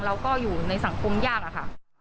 เราก็อยู่ในสังคมยาก